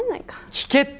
聞けって。